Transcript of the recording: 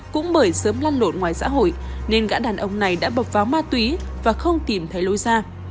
cũng bởi sớm lăn lộn ngoài xã hội nên gã đàn ông này đã bập vào ma túy và không tìm thấy lối ra